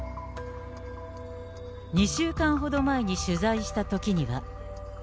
２週間ほど前に取材したときには。